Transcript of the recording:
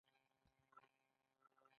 خندا روغتیا ده.